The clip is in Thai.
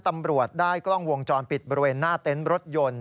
ตำรวจได้กล้องวงจรปิดบริเวณหน้าเต็นต์รถยนต์